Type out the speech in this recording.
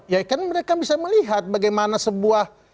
ya kan mereka bisa melihat bagaimana sebuah